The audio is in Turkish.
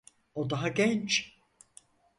O daha genç.